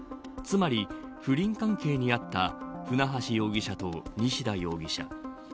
つまり、不倫関係にあった船橋容疑者と西田容疑者。